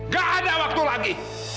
gak ada waktu lagi